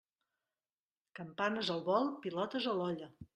Campanes al vol, pilotes a l'olla.